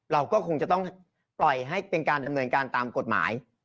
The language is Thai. เราก็คงจะต้องปล่อยให้เป็นการดำเนินการตามกฎหมาย